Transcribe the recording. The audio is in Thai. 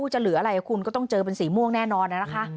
จะเหลืออะไรคุณก็ต้องเจอเป็นสีม่วงแน่นอนนะคะ